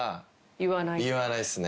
言わないっすね。